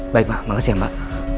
baik pak makasih ya mbak